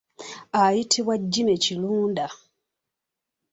Ayitibwa Jimmy Kirunda.